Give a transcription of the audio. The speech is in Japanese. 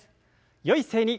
よい姿勢に。